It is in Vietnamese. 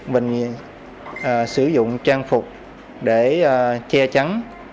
mình sử dụng trang phục để che trắng